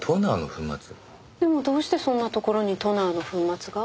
でもどうしてそんなところにトナーの粉末が？